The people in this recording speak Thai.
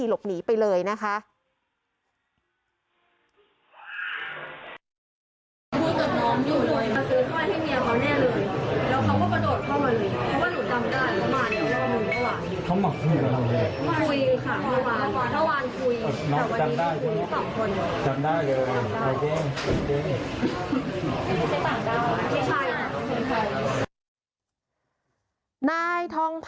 อัศวินธรรมชาติ